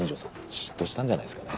嫉妬したんじゃないですかね？